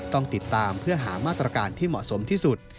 ต้องติดตามเพื่อหามาตรการที่เหมาะสมที่สุด